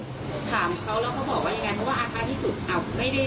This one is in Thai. ถามเขาแล้วเขาบอกว่ายังไงเพราะว่าท้ายที่สุดอ่ะไม่ได้